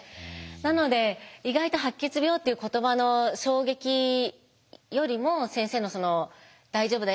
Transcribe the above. なので意外と白血病っていう言葉の衝撃よりも先生のその「大丈夫だよ。